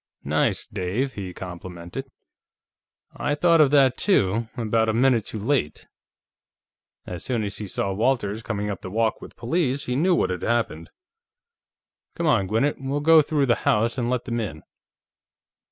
"Nice, Dave," he complimented. "I thought of that, too, about a minute too late. As soon as he saw Walters coming up the walk with the police, he knew what had happened. Come on, Gwinnett; we'll go through the house and let them in."